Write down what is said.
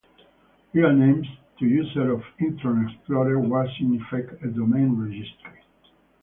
RealNames, to users of Internet Explorer, was in effect a domain registry.